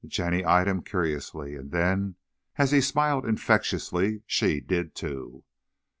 Jenny eyed him curiously, and then, as he smiled infectiously, she did, too.